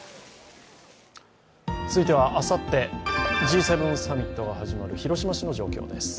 続いては、あさってＧ７サミットが始まります、広島市の状況です。